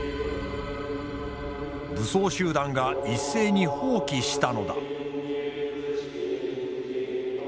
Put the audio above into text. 武装集団が一斉に蜂起したのだ。